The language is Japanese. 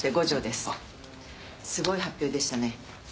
すごい発表でしたね。